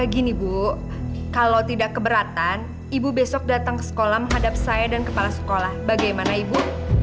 gini bu kalau tidak keberatan ibu besok datang ke sekolah menghadap saya dan kepala sekolah bagaimana ibu